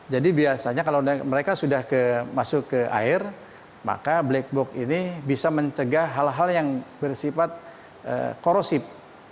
jadi biasanya kalau mereka sudah masuk ke air maka black box ini bisa mencegah hal hal yang bersifat korosif